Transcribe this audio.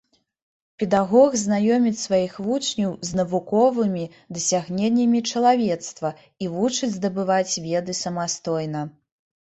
Педагог знаёміць сваіх вучняў з навуковымі дасягненнямі чалавецтва і вучыць здабываць веды самастойна.